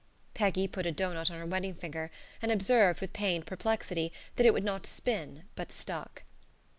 Peggy put a doughnut on her wedding finger and observed, with pained perplexity, that it would not spin, but stuck.